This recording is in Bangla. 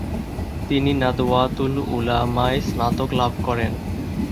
তিনি নাদওয়াতুল উলামায় স্নাতক লাভ করেন।